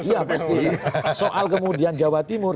iya pasti soal kemudian jawa timur